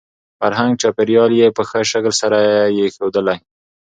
فرهنګ ،چاپېريال يې په ښه شکل سره يې ښودلى .